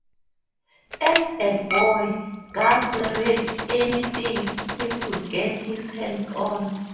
As a boy, Gass read anything he could get his hands on.